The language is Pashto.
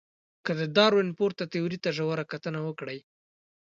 که د داروېن پورته تیوري ته ژوره کتنه وکړئ.